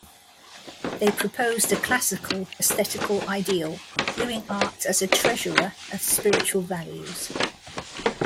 They proposed a classical aesthetical ideal, viewing art as a treasurer of spiritual values.